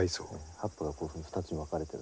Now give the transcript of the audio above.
葉っぱがこういうふうに２つに分かれてるので先が。